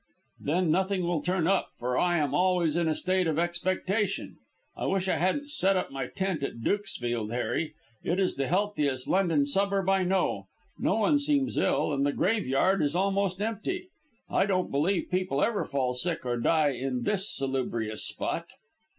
"Then nothing will turn up, for I am always in a state of expectation. I wish I hadn't set up my tent at Dukesfield, Harry. It is the healthiest London suburb I know: no one seems ill, and the graveyard is almost empty. I don't believe people ever fall sick or die in this salubrious spot."